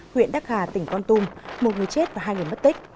huyện đắc hà tỉnh con tum một người chết và hai người mất tích